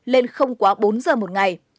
lên không quá bốn giờ một ngày